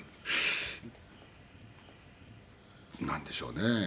なんでしょうね。